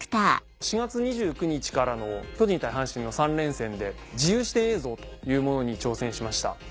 ４月２９日からの巨人対阪神の３連戦で自由視点映像というものに挑戦しました。